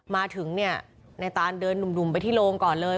มาถึงเนี่ยนายตานเดินหนุ่มไปที่โรงก่อนเลย